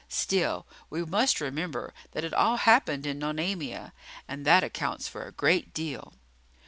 Still, we must remember that it all happened in Nonamia; and that accounts for a great deal.